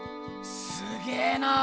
すげぇな。